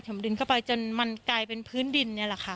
ดินเข้าไปจนมันกลายเป็นพื้นดินนี่แหละค่ะ